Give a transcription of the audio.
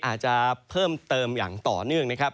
อาจจะเพิ่มเติมอย่างต่อเนื่องนะครับ